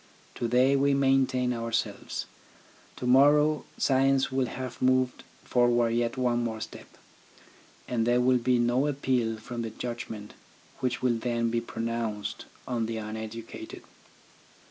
To day we maintain ourselves. To morrow science will have moved forward yet one more step, and there will be no appeal from the judgment which will then be pronounced on the uneducated.